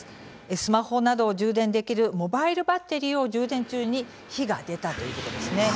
スマホなどを充電できるモバイルバッテリーを充電中に火が出たということです。